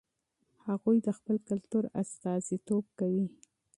هغوی د خپل کلتور استازیتوب کوي.